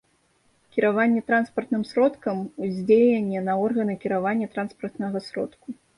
Кіраванне транспартным сродкам — уздзеянне на органы кіравання транспартнага сродку